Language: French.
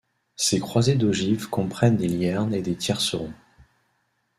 Ses croisées d'ogives comprennent des liernes et des tiercerons.